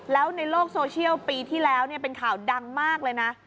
แล้วในโลกโซเชียลปีที่แล้วเป็นข่าวดังมากเลยนะ